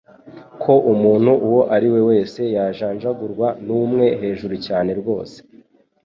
Ko umuntu uwo ari we wese yajanjagurwa n'umwe hejuru cyane rwose